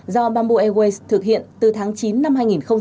do bamboo airways thực hiện từ tháng chín năm hai nghìn hai mươi